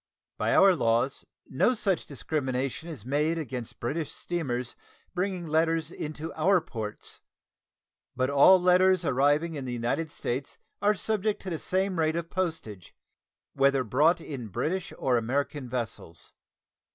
By our laws no such discrimination is made against British steamers bringing letters into our ports, but all letters arriving in the United States are subject to the same rate of postage, whether brought in British or American vessels.